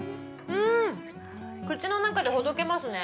口の中でほどけますね。